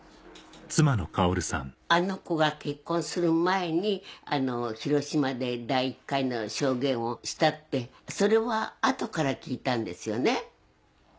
あの子が結婚する前に広島で第１回の証言をしたってそれは後から聞いたんですよね。